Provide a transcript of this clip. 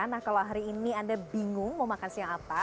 nah kalau hari ini anda bingung mau makan siang apa